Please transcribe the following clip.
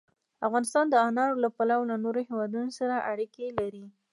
افغانستان د انار له پلوه له نورو هېوادونو سره اړیکې لري.